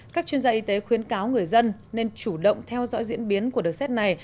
các chuyên gia y tế khuyến cáo người dân nên chủ động theo dõi diễn biến của đợt xét này